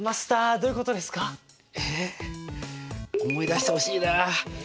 えっ思い出してほしいな。